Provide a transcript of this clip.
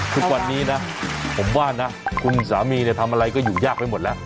ทุกวันนี้นะผมว่านะคุณสามีทำอะไรก็อยู่ยากไปหมดแล้ว